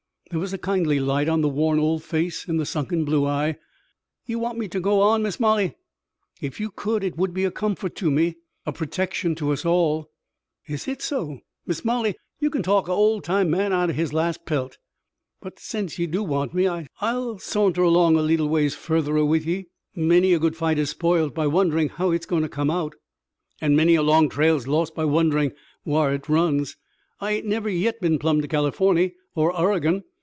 There was a kindly light on the worn old face, in the sunken blue eye. "Ye want me ter go on, Miss Molly?" "If you could it would be a comfort to me, a protection to us all." "Is hit so! Miss Molly, ye kin talk a ol' time man out'n his last pelt! But sence ye do want me, I'll sornter along a leetle ways furtherer with ye. Many a good fight is spoiled by wonderin' how hit's goin' to come out. An' many a long trail's lost by wonderin' whar hit runs. I hain't never yit been plumb to Californy er Oregon.